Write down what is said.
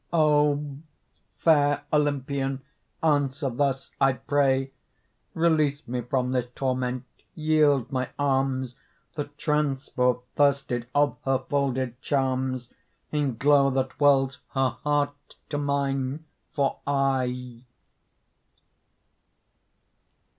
O fair Olympian, answer thus, I pray! Release me from this torment, yield my arms The transport thirsted of her folded charms, In glow that welds her heart to mine for aye.